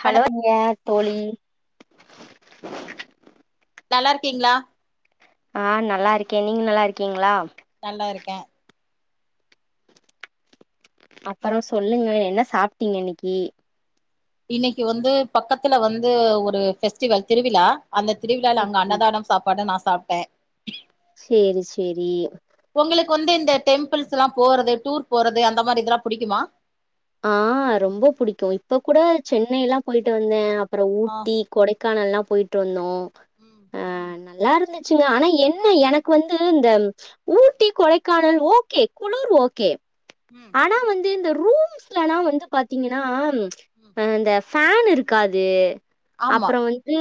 Hello வணக்கம் நீங்க யார் தோழி நல்லாருக்கீங்களா ஆ நல்லாருக்கே நீங்க நல்லாருக்கீங்களா நல்லாருக்கே அப்புற சொல்லுங்க என்ன சாப்ட்டீங்க இன்னைக்கு இன்னைக்கு வந்து பக்கத்துல வந்து ஒரு பெஃஸ்டிவல் திருவிழா அந்த திருவிழால அங்க அன்னதானம் சாப்பாடு நா சாப்ட்டே சேரி சேரி உங்களுக்கு வந்து இந்த டெம்பிள்ஸ் எல்லாம் போறது டூர் போறது அந்த மாதிரி இதெல்லாம் புடிக்குமா ஆ ரொம்ப புடிக்கும் இப்ப கூட சென்னைல்லா போய்ட்டு வந்தே அப்புற ஆ ஊட்டி கொடைக்கானல்லா போய்ட்டு வந்தோம் ம் ஆ நல்லா இருந்து ச்சுங்க ஆனா என்ன எனக்கு வந்து இந்த ஊட்டி கொடைக்கானல் ஓகே குளிர் ஓகே ம் ஆனா வந்து இந்த ரூம்ஸ்லலா வந்து பாத்தீங்கன்னா ம். இந்த ஃபேன் இருக்காது ஆமா அப்புற வந் து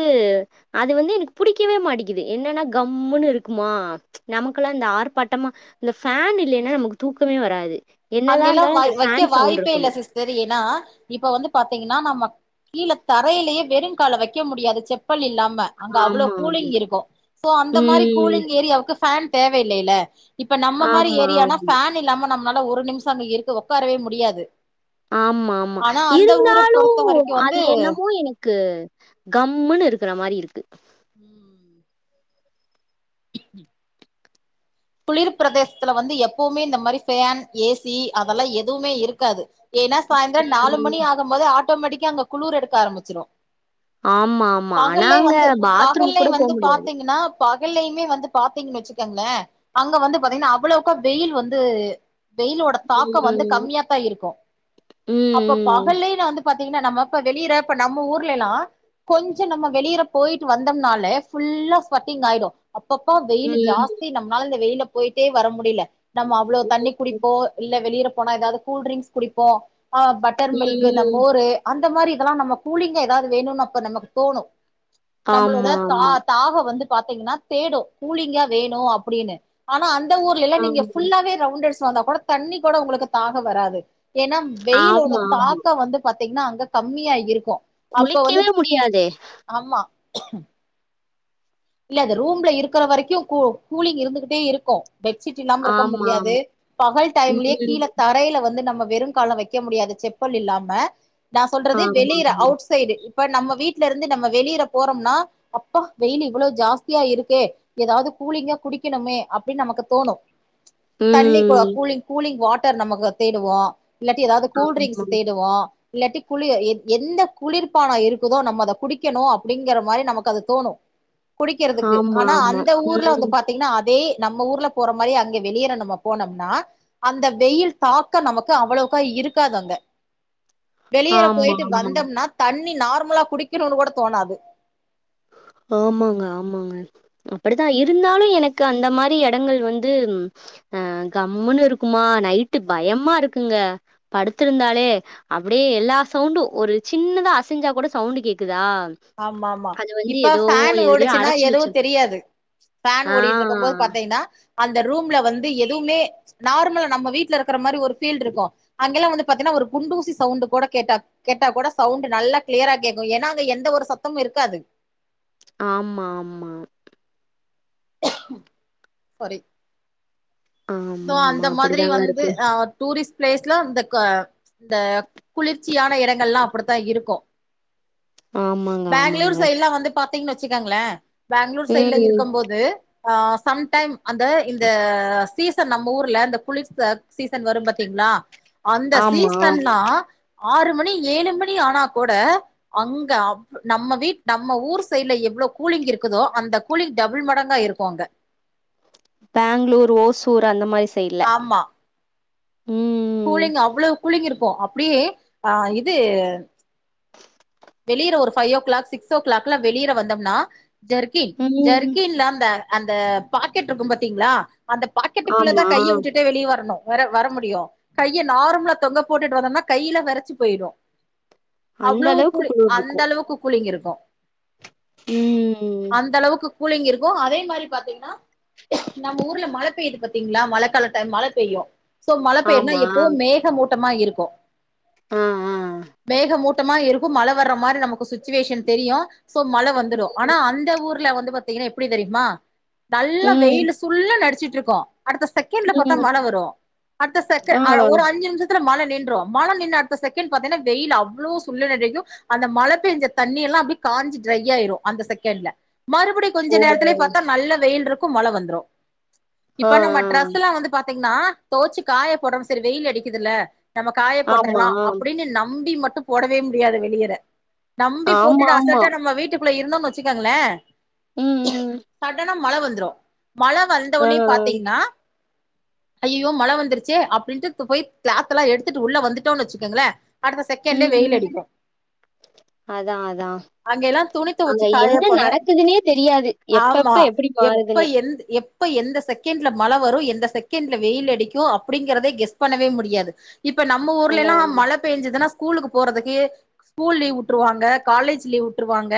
அது வந்து எனக்கு புடிக்கவே மாட்டேங்குது என்னன்னா கம்முன்னு இருக்குமா நமக்கெல்லா இந்த ஆர்ப்பாட்டமா இந்த ஃபேன் இல்லைன்னா நமக்கு தூக்கமே வராது அங்க என்னதான் எல்லாம இருந்தாலும் வ அந்த ஃபேன் வைக்க சவுண்ட் வாய்ப்பே இல்ல இருக்கணும். சிஸ்டர் ஏன்னா இப்ப வந்து பாத்தீங்கன்னா நம்ம கீழ தரையிலேயே வெறுங்கால வைக்க முடியாது செப்பல் இல்லாம அங்க அவ்ளோ ஆமா. ஆமா. கூலிங் இருக்கு சோ அந்த மாரி ம். கூலிங் ஏரியாவுக்கு ஃபேன் தேவயில்லல்ல இப்ப நம்ம மாரி ஆமா. ஏரியானா ஃபேன் இல்லாம நம்மளால ஒரு நிம்ஷோ அங்க இருக்க உக்காரவே முடியாது ஆமா ஆமா ஆனா அந்த ஊர இருந்தாலு பொறுத்த வரைக்கு வந்து அது என்னமோ எனக்கு கம்முன்னு இருக்கற மாரி இருக்கு ம் ம் [inaudible] குளிர் பிரதேசத்துல வந்து எப்பவுமே இந்த மாரி ஃபேன் ஏசி அதெல்லா எதுவுமே இருக்காது ஏன்னா சாயந்தரோ நாலு ம். மணி ஆகும் போது ஆட்டோமேட்டிக்கா அங்க குளுர் எடுக்க ஆரம்பிச்சிரு ஆமா, ஆமா. ஆனா பகல்லே அங்க வந்து பாத்ரூம் பகல்லே கூட போ வந்து முடியாது. பாத்தீங்ன்னா பகலயுமே வந்து பாத்தீங்கன்னு வச்சுக்காங்களே அங்க வந்து பாத்தீங்கன்னா அவ்வளவுக்கா வெயில் வந்து வெயிலோட தாக்கோ வந்து ம். கம்மியாத்தா இருக்கு அப்ப ம். பகல்லையு நா வந்து பாத்தீங்கன்னா நம்ம இப்ப வெளியறப்ப நம்ம ஊர்ல எல்லா கொஞ்சோ நம்ம வெளியற போயிட்டு வந்தோம்னால ஃபுல்லா ஸ்வட்டிங் ஆயிடு அப்பப்பா வெயில் ம். ஜாஸ்தி நம்மளால இந்த வெயில போயிட்டே வர முடியல நம்ம அவ்வளோ தண்ணி குடிப் ப்போ இல்ல வெளியிற போனா ஏதாவது கூல் ட்ரிங்க்ஸ் குடிப்போ ஆ பட்டர் மில்கு இந்த ம். மோரு அந்த மாரி இதெல்லா நம்ம கூலிங்கா ஏதாவது வேணுனு அப்ப நமக்கு தோணு நம்மளோட ஆமா, தா ஆமா. தாகோ வந்து பாத்தீங்கன்னா தேடு கூலிங்கா வேணு அப்டினு ஆனா அந்த ஊர்ல எல்லா ஆமா, நீங்க ஆமா. ஃபுல்லாவே ரவுண்டடுஸ் வந்தா கூட தண்ணி கூட ஒங்களுக்கு தாகோ வராது ஏன்னா வெயிலோட ஆமா. தாக்கம் வந்து பாத்தீங்கன்னா அங்க கம்மியா இருக்கு அப்ப வந்து குளிக்கவே முடியாதே ஆமா இல்ல அது ரூம்ல இருக்கிற வரைக்கு கூ கூலிங் இருந்துகிட்டே இருக்கு பெட்ஷீட் இல்லாம இருக்க ஆமா, முடியாது ஆமா. பகல் டைம்லேயே ம். கீழ தரையில வந்து நம்ம வெறும் கால வைக்க முடியாது செப்பல் இல்லாம நா சொல்றது ஆமா, வெளியிற ஆமா. அவுட்ஸ் சைடு இப்ப நம்ம வீட்ல இருந்து நம்ம வெளியில போறம்னா அப்பா வெயில் இவ்ளோ ஜாஸ்தியா இருக்கே ஏதாவது கூலிங்கா குடிக்கணுமே அப்டின் நமக்கு தோணு தண்ணி ம். கூலிங் கூலிங் வாட்டர் நமக்கு தேடுவோ இல்லாட்டி ஏதாவ்து ஆமா. கூல்ட்ரிங்ஸ் தேடுவோ இல்லாட்டி குளிர் எ எந்த குளிர்பானோ இருக்குதோ நம்ம அத குடிக்கணு அப்படிங்கிற மாரி நமக்கு அது தோணு குடிக்கறதுக்கு ஆமா, ஆனா ஆமா. அந்த ஊர்ல வந்து ம். பாத் இல்லனா அதே நம்ம ஊர்ல போற மாரி அங்க வெளியேற நம்ம போனோம்னா அந்த வெயில் பாக்க நமக்கு அவ்வளவுக்கா இருக்காது அங்க வெளியல ஆமா, போயிட்டு ஆமா. வந்தோம்னா தண்ணி நார்மலா குடிக்கணுனுனு கூட தோணாது ஆமாங்க ஆமாங்க அப்டித்தா இருந்தாலு எனக்கு அந்த மாரி எடங்கள் வந்து அ கம்முன்னு இருக்குமா நைட்டு பயமா இருக்குங்க படுத்திருந்தாலே அப்படியே எல்லா சவுண்டு ஒரு சின்னதா அசஞ்சா கூட சவுண்டு கேக்குதா ஆமா ஆமா அது வந்து இப்ப ஏதோ ஃபேன் எதுலயோ ஓடுச்சுன்னா அடைச்சு வச்ச எதுவு தெரியாது ஃபேன் ஆ. ஓடிட்டு இருக்கம் போது பாத்தெங்ன்னா அந்த ரூம்ல வந்து எதுவுமே நார்மல நம்ம வீட்டுல இருக்கிற மாரி ஒரு ஃபீல் இருக்கு அங்கல்லா வந்து பாத்தீன்னா ஒரு குண்டூசி சவுண்ட் கூட கேட்ட கேட்டா கூட சவுண்ட் நல்லா கிளியரா கேக்கு ஏன்னா அங்க எந்த ஒரு சத்தமு இருக்காது ஆமா ஆமா சாரி சோ ஆமா, ஆமா. அந்த மாரி அப்படிதாங்க வந்து இருக்கும். அ டூரிஸ்ட் பிளேஸ்ல அந்த க த குளிர்ச்சியான எடங்கள்லா அப்டித்தா இருக்கு ஆமாங்க, பேங்ளூர் ஆமாங்க. சைட்லா வந்து பா த்திங்ன் வச்சுக்கங்ளே பேங்ளூர் சைட்ல ம். இருக்கம் போது ஆ சம்டைம் அந்த இந்த சீசன் நம்ம ஊர்ல இந்த குளிர் ச சீசன் வரும் பாத்தீங்களா அந்த ஆமா. சீசன்ல்லா ஆறு மணி ஏழு மணி ஆனா கூட அங்க நம்ம வீட் நம்ம ஊர் சைட்ல எவ்ளோ கூலிங் இருக்குதோ அந்த கூலிங் டபுள் மடங்கா இருக்கு அங்க பேங்ளூர் ஓசூர் அந்த மாரி சைட்ல ஆமா ம் கூலிங் அவ்வளவு கூலிங் இருக்கு அப்டியே ஆ இது வெளியிற ஒரு ஃபைவ் ஓ கிளாக் சிக்ஸ் ஓ கிளாக்லா வெளியிற வந்தோம்னா ஜெர்கின் ம். ஜெர்கின்ல அந்த அந்த பாக்கெட்ருக்கு பாத்தீங்களா அந்த பாக்கெட்டுக்குள்ளதா ஆமா. கைய வுட்டுட்டே வெளிய வரணு வர வர முடியு கைய நார்மலா தொங்க போட்டுட்டு வந்தோம்னா கையிலா வெரச்சு போயிரு அந்த அளவுக்கு அந்த குளுர்ருக்கு அளவுக்கு கூலிங் இருக்கு ம். அந்த அளவுக்கு கூலிங் இருக்கு அதே மாரி பாத்தீங்கன்னா நம்ம ஊர்ல மழ பெய்யுது பாத் தீங்களா மழக்கால டைம் மழ பெய்யு சோ மழ பெய்யும்னா ஆமா. எப்பவு மேகமூட்டமா இருக்கு ஆ, ஆ. மேகமூட்டமா இருக்கு மழ வர்ற மாரி நமக்கு சு ச்சுவேஷன் தெரியு சோ மழ வந்துடு ஆனா அந்த ஊர்ல வந்து பாத்தீங்கனா எப்டி தெரியுமா நல்ல ம், வெயில் சுல்லுன்னு அடிச்சுட்ருக்கு அடுத்த செக் செகேண்ட்ல பாத்தா ம். மழ வரு அடுத்த செகே ஆ. ஒரு அஞ்சு நிமிஷ த்துல மழ நின்று மழ நின்ன அடுத்த செகண்ட் பாத்தீங்கன்னா வெயில் அவ்வளோ சுல்லுன்னு அடிக்கு அந்த மழ பேஞ்ச தண்ணி எல்லா அப்டியே காஞ்சு ட்ரையாயிரு அந்த செகேண்ட்ல மறுபடி ஓ! கொஞ்ச நேரத்லயே பாத்தா நல்ல வெயில்ருக்கு மழ வந்துறு ஆ, இப்ப நம்ம ஆ. ட்ரெஸ்ல்லா வந்து பாத்தீங்கனா தொவச்சு காயப் போடறோம் சரி வெயில் அடிக்குதுல்ல நம்ம காய ஆமா. போட்றலா அப்டின்னு நம்பி மட்டு போடவே முடியாது வெளியிற நம்பி போட்டுட்டு ஆமாமா. அசால்ட்ட நம்ம வீட்டுக்குள்ள இருந்தோம்னு வச்சுக்கங்ளே ம், ம். சடனா மழ வந்துரு மழ ஆ. வந்தோவுனே பாத்தீங்னா ஐயயோ மழ வந்துருச்சே அப்டின்ட்டு து போய் கிளாத்தல்லா எடுத்துட்டு உள்ள வந்துட்டோன் வச்சுக்கங்களே ம் அதா அதா அங்க எல்லா துணி தொவச்சு காய்ப்போனு தெரியாது. ஆமா எப்பப்ப எப்டி எப்ப மாறுதுன்னே. எந் எப் எப்ப எந்த செகைண்ட்ல மழ வரு எந்த செகேண்ட்ல வெயில் அடிக்கு அப்டிங்கறதே கெஸ் பண்ணவே முடியாது இப்ப நம்ம ஊர்லேல்லா அதான், அதான். மழ பேஞ்சதுனா ஸ்கூலுக்கு போறதுக்கு ஸ்கூல் லீவ் வுட்ருவாங்க காலேஜ் லீவ் வுட்ருவாங்க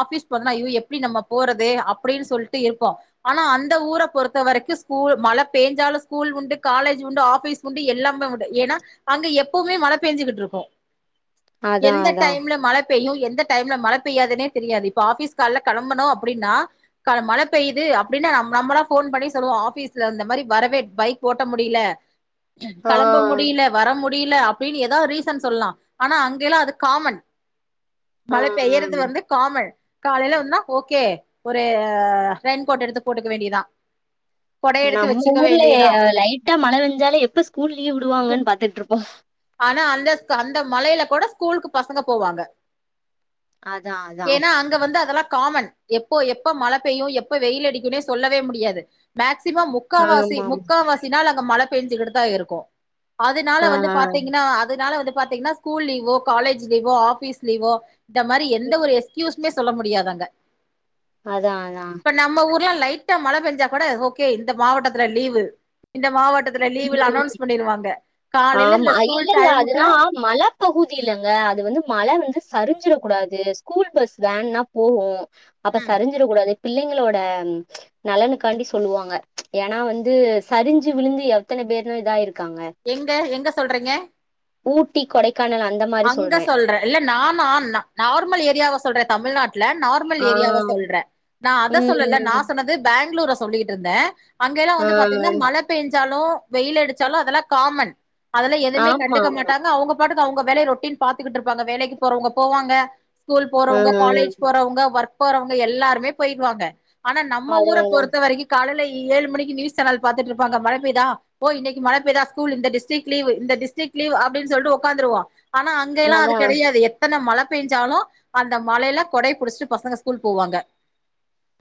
ஆஃபிஸ் போறதுனா ஜயோ எப்டி நம்ம போறது அப்டின் சொல்ட்டு இருப்போ ஆனா அந்த ஊர பொறுத்த வரைக்கு ஸ்கூல் மழ பேஞ்சாலு ஸ்கூல் உண்டு காலேஜ் உண்டு ஆஃபீஸ் உண்டு எல்லாமே உண்டு ஏனா அங்க எப்பவுமே மழ பேஞ்சுகிட்ருக்கு அதா அதா ல்ல மழ பெய்யு எந்த டைம்ல மழ பெய்யாதுனே தெரியாது இப்ப ஆஃபீஸ் கால்ல கெளம்பனு அப்டினா கால மழ பெய்யுது அப்டினா நம்ம நம்மலா ஃபோன் பண்ணி சொல்லுவோ ஆஃபீஸ்ல இந்த மாரி வரவே பைக் ஓட்ட முடில ஆ, கெளம்ப முடில வர முடில அப்டின்னு ஏதாவது ரீசன் சொல்லலா ஆனா அங்க எல்லா அது காமன் ஆ, மழ பெய்யறது ஆ. வந்து காமன் காலையில வந்தா ஓகே ஒரு ஆ ரெயின்கோட் எடுத்து போட்டுக்க வேண்டியதா கொடைய எடுத்து நம்ம வச்சுக்க ஊர்ல ஏ வேண்டியதா லைட் லைட்டா மழ பெஞ்சாலே எப்ப ஸ்கூல் லீவ் விடுவாங்கன்னு பாத்துட்டு இருப்போ ஆனா அந் அந்த மழயில கூட ஸ்கூலுக்கு பசங்க போவாங்க அதா அதா ஏன்னா அங் அங்க வந்து அதெல்லா காமன் எப்போ எப்ப மழ பெய்யு எப்ப வெயில் அடிக்குன்னே சொல்லவே முடியாது மேக்சிமம் முக்கா வாசி ஆமா முக்காவாசி நாள் அங்க மழ பெஞ்சிக்கிட்டு தா இருக்கு அதனால ஆ வந்து பாத்தீங்கன்னா அதனால வந்து பாத்தீங்கன்னா ஸ்கூல் லீவோ காலேஜ் லீவோ ஆபீஸ் லீவோ இந்த மாரி எந்த ஒரு எக்ஸ்கியூஸ்மே சொல்ல முடியாது அங்க அதா அதா இப்ப நம்ம ஊர்ல்லா லைட்டா மழ பெஞ்சா கூட ஓகே இந்த மாவட்டத்துல இந்த லீவு இந்த மாவட்ட மாவட்டத்துல லீவு அன்னோன்ஸ் பண்ணிருவாங்க காலையில ஆமா இந்த ஸ்கூல் இல்லங்க அதனா டைமுக்குலா மழ பகுதி இல்லங்க அது வந்து மழ வந்து சரிஞ்சிட கூடாது ஸ்கூல் பஸ் வேன்னா போகு அப்ப ம் சரிஞ்சிட கூடாது பிள்ளைங்களோட நலனுக்காண்டி சொல்லுவாங்க ஏன்னா வந்து சரிஞ்சி விழுந்து எத்தன பேருனு இதா ஆயிருக்காங்க எங்க எங்க சொல்றீங்க ஊட்டி கொடைக்கானல் அந் அங்க சொல்றே இல்ல நா நா நம்ம நார்மல் ஏரியாவ சொல்றே தமிழ்நாட் டுல நார்மல் ஆ ஏரியாவ சொல்றே நா அத சொல்லல நா ம் சொன்னது பேங்களூர சொல்லிட்டு இருந்தே அங்க எல்லா ஆ வந்து பாத்தீங்கன்னா மழ பெய்ஞ்சாலோ வெயில் அடிச்சாலோ அதெல்லா காமன் அதெல்லா எதுவுமே ஆமா கண்டுக்க மாட்டாங்க அவுங்க பாட்டுக்கு அவுங்க வேலையை ரொட்டீன் பாத்துக்கிட்டு இருப்பாங்க வேலைக்கு போறவங்க போவாங்க ஸ்கூல் ஆ போறவங்க காலேஜ் போறவங்க ஒர்க் போறவங்க எல்லாருமே போயிருவாங்க ஆனா நம்ம அதா ஊர அதா பொறுத்த வரைக்கு காலையில ஏழு மணிக்கு நியூஸ் சேனல் பாத்துட்டு இருப்பாங்க மழ பெய்தா ஓ இன்னிக்கி மழ பெய்தா ஸ்கூல் இந்த டிஸ்டிக் லீவு இந்த டிஸ்டிக் அப்படின்னு சொல்லிட்டு உக்காந்துருவோ ஆனா அங்க எல்லா அது அதா கெடையாது எத்தன மழ பேஞ்ஞாலூ அந்த மழைல கொடைய புடுச்சிட்டு பசங்க ஸ்கூல் போவாங்க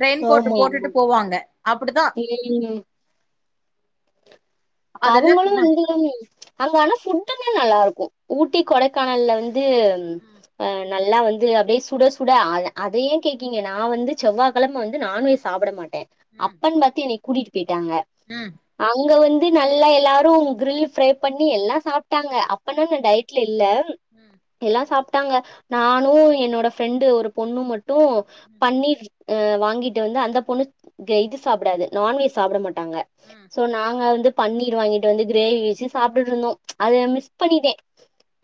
ரெயின்கோட்டு ஆமா போட்டுட்டு போவாங்க அப்டிதா [unintelligible] அதெல்லா அங்க ஆனா ஃபுட்டுமே நல்லா இருக்கு ஊட்டி கொடைக்கானல்ல வந்து ஆ நல்லா வந்து அப்டியே சுட சுட அத அதையே கேக்கீங்க நா வந்து செவ்வகெழம வந்து நான்வெஜ் சாப்ட மாட்டே ம் அப்பன்னு பாத்து எனைய கூடிட்டு போய்ட்டாங்க ம் அங்க வந்து நல்லா எல்லாரு கிரில் ஃப்ரை பண்ணி எல்லா சாப்ட்டாங்க அப்பன்னா ம் நா டயட்ல இல்ல ம் எல்லா சாப்ட்டாங்க நானு என்னோட ஃப்ரெண்டு ஒரு பொண்ணு மட்டு ம் பன்னீர் ஆ வாங்கிட்டு வந்து அந்த பொண்ணு இது சாப்டாது நான்வெஜ் சாப்ட மாட் ட்டாங்க ம் சோ நாங்க வந்து பன்னீர் வாங்கிட்டு வந்து கிரேவி வெச்சு சாப்டுட்டு இருந்தோ அதே நா மிஸ் பண்ணிட்டே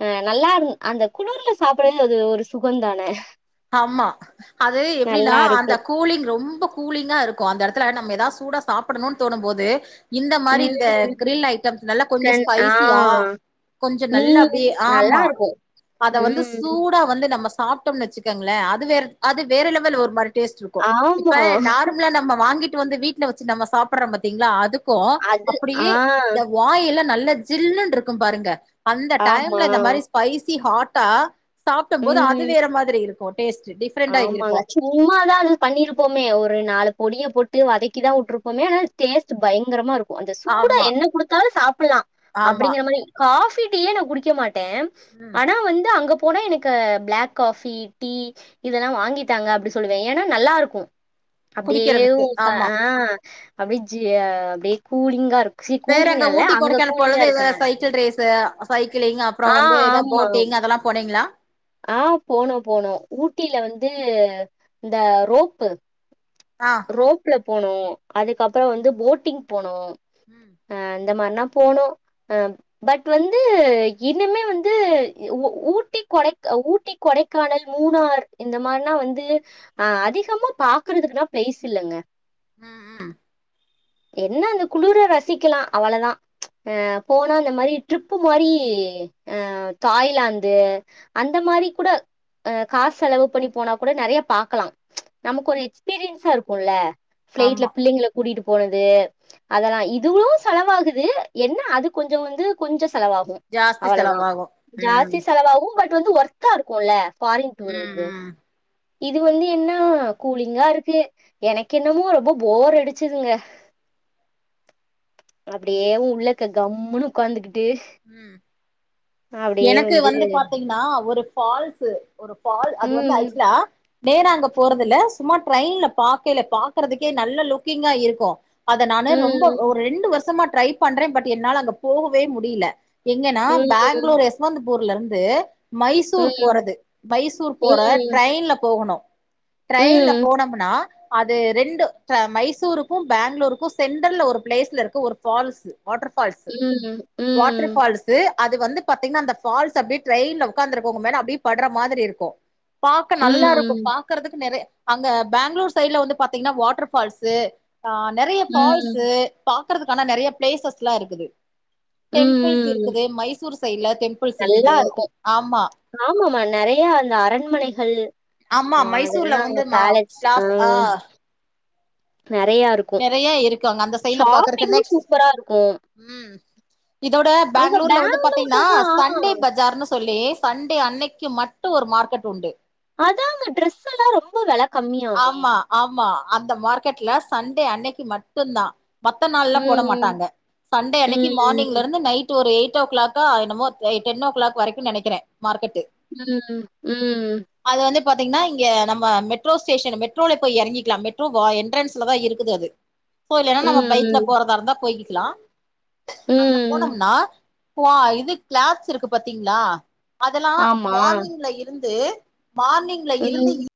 ஆ நல்லா இருந் அந்த குளுர்ல சாப்ட்றது அது ஒரு சுகந்தான ஆமா அது எப்டின்னா நல்லா அந்த இருக்கு கூலிங் ரொம்போ கூலிங்கா இருக்கு அந்த எடத்துல நம்ம எதாவது சூடா சாப்புடணுனு தோணும்போது இந்த மாரி இந்த ம் கிரில் ஐட்டம்ஸ் நல்லா கொஞ்சோ கண் ஆ ஸ்பைசியா கொஞ்ச நல்லா மீன் அப்படியே நல்லா ஆமா இருக்கு அத வந்து ம் சூடா வந்து நம்ம சாப் விட்டோம்ன்னு வச்சிக்காங்களே அது வேற அது வேற லெவல் ஒரு மாரி டேஸ்ட் இருக்கு ஆமா இப்ப நார்மலா நம்ம வாங்கிட்டு வந்து வீட்ல வச்சி நம்ம சாப்புறோ பாத்தீங்களா அதுக்கு கோ அது அப்டியே ஆ இந்த வாய் எல்லா நல்ல ஜில்லுனு இருக்கு பாருங்க அந்த ஆமா டைம்ல இந்த மாதிரி ஸ்பைசி ஹாட்டா சாப்ட போது ம் அது வேற மாதிரி இருக்கு கோட்டேஸ்டேடிப் ஆமாங்க சூ சும்மாதா அது பண்ணிருப்போமே ஒரு நாலு பொடிய போட்டு வதக்கி தா வுட்ருப்போமே அனா டேஸ்ட்டு பயங்கரமா இருக்கூ அந்த சூடா ஆமா என்ன குடுத்தாலு சாப்ட்லா ஆமா அப்டிங்கற மாறி ஃகாபி டீயே நா குடிக்க மாட்டே ம் ஆனா வந்து அங்க போனா எனக்கு பிளாக் ஃகாபி டீ இதெல்லா வாங்கிட்டாங்க அப்டி சொல்லுவே ஏனா நல்லா இருக்கூ அப்டியே ஏ குடிக்கிறதுக்கு க்க ஆமா ஆ அப்டி ஜி ய அப்டீ கூலிங்கா இருக்கூ வேற எங்க ஊட்டி குடைக்கானபோலது சைக்கிள் ரேஸு சைக்கிளிங் அப்றோ ஆ வந்து ஏதோ ஆமா. போட்டிங் அதெல்லா போனிங்களா ஆ போனோ போனோ ஊட்டில வந்து இந்த ரோப்பு ஆ ரோப்ல போனோ அதுக்கப்பறோ வந்து போட்டிங் போனோ ம் ஆ இந்த மாறிலா போனூ ஆ பட் வந்து இனிமே வந்து ஊட்டி கொடைக் ஊட்டி கொடைக்கானல் மூனார் இந்த மாறினா வந்து அ அதிகமா பாக்குறதுக்குதா பெய்ஸ்ஸில்லங்க உ உ என்ன அந்த குளுர ரசிக்கலா அவளதா அ போனா அந்த மாறி ட்ரிப்பு மாறி ஆ தாய்லாந்து அந்த மாறி கூட அ காசு செலவு பண்ணி போனா கூட நெறையா பாக்கலா ச் நமக்கு ஒரு எக்ஸ்பீரியன்ஸா இருக்குல்ல ஆமா பிளைட்ல பிள்ளைங்கள கூடிட்டு போனது அதெல்லா இதுவுளு செலவாகுது என்ன அது கொஞ்சோ வந்து கொஞ்ச செலவாகு ஜாஸ்தி அவளோதா செலவாகு ம் ஜாஸ்தி செலவாஉ பட் ப்ப வந்து ஒர்த்தா இருக்கும்ல ஃபாரின் டூர் ம் வந்து ம் இது வந்து என்னா கூலிங்கா இருக்கு எனக்கு என்னமோ ரொம்ப போர் அடுச்சதுங்க அப்டியேவுள்ளக்க கம்முனு உட்காந்துக்கிட்டு உ எனக்கு வந்து பாத்தீங்கன்னா ஒரு ஃபால்ஸ் ஒரு ஃபால் அது வந்து ம் ஆக்சுலா நேரா அங்க போறதுல சும்மா ட்ரைன்ல பாக்கைல பாக்குறதுக்கே நல்ல லுக்கிங்கா இருக்கு அத நானு ரொம்ப ம் ஒரு ரெண்டு வருஷமா ட்ரை பண்றே பட் என்னால அங்க போகவே முடில எங்கன்னா ம் பேங்களூர் யஸ்வந்த்பூர்ல இருந்து மைசூர் போறது மைசூர் போற ம் ட்ரெயின்ல போகணு ம் ட்ரெயின்ல ம் போனம்னா அதுல ரெண்டு மைசூருக்கு பேங்களூருக்கு சென்ட்டர்ல ஒரு பிளேஸ்ல இருக்கு ஒரு ஃபால்ஸ் வாட்டர் ஃபால்ஸ் உ உ வாட்டர் ஃபால்ஸ் அது வந்து பாத்தீங்கன்னா அந்த ஃபால்ஸ் அப்டியே ட்ரெயின்ல உட்காந்துருக்குறவங்க மேல அப்டியே படுற மாதிரி இருக்கு பாக்க நல்லா இருக்கு ம் பாக்கறதுக்கு நெறே அங்க பேங்ளூர் சைட்ல வந்து பாத்தீங்கன்னா வாட்டர் ஃபால்ஸ்ஸு ஆ நறைய ம் ஃபால்ஸ்ஸு பாக்கறதுக்கான நெறைய ப்ளேசஸ்லா இருக்குது டெம்புள்ஸ் ம் இருக்குது மைசூர் சைல டெம்புள்ஸ் இருக்குது ஆமா ஆமமா நெறையா அந்த அரண்மனைஹள் ஆமா ஆ மைசூர்ல அதனா அங்க வந்து மா டேலட்ஸ் ஆ பிளாஸ் நெறையாரு கு நெறைய இருக்கு அங்க அந்த சைட்ல பாக்குறக்கு ஷாப்பிங்கூ நெக்ஸ்ட் சூப்பரா இருக்கூ ம் இதோட பேங்ளூர்ல வந்து பாத்தீங்னா பேங்களூர்லனா சண்டே பஜார்னு சொல்லி தண்டே அன்னைக்கு மட்டூ ஒரு மார்க்கெட் உண்டு அதாங்க ட்ரெஸ் எல்லா ரொம்ப வெல கம்மியாமே ஆமா ஆமா அந்த மார்க்கெட்ல சண்டே அன்னைக்கு மட்டுன்தா மத்த நாள்ல்லா போட ம் மாட்டாங்க சண்டே அன்னைக்கு மார்னிங்ல ம் இருந்து நைட் டு ஒரு எய்ட் ஓ க்ளாக்கா என்னமோ தை டென் ஓ க்ளாக் வரைக்கு நெனக்கிறே மார்க்கெட்டு ம் ம் அது வந்து பாத்தீங்னா இங்க நம்ம மெட்ரோ ஸ்டேஷன் மெட்ரோல போய் யறங்கிக்லா மெட்ரோ வா என்ட்ரன்ஸ் ஸ்லதா இருக்குது அது சோ இல்லன்னா நம்ம பைக்ல ம் போறதா இருந்தா போய்க்கிக்கிலா ம் அங்க ம் போனோம்னா குவா இது க்ளாத்ஸ் இருக்கு பாத்தீங்ளா அதலா ஆமா மார்னிங்ல இருந்து மார்னிங்ல ம் இருந்து இ